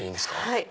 はい。